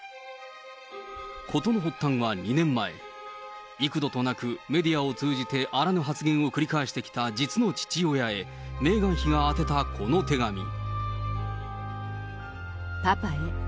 事の発端は２年前、幾度となくメディアを通じてあらぬ発言を繰り返してきた実の父親へ、パパへ。